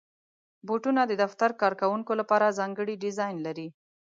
بوټونه د دفتر کارکوونکو لپاره ځانګړي ډیزاین لري.